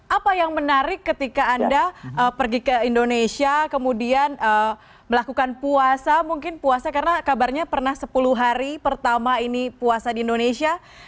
apa yang menarik ketika anda pergi ke indonesia kemudian melakukan puasa mungkin puasa karena kabarnya pernah sepuluh hari pertama ini puasa di indonesia